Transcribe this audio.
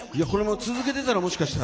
続けてたらもしかしたら。